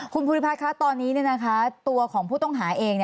คุณภูริพัฒน์คะตอนนี้ตัวของผู้ต้องหาเอง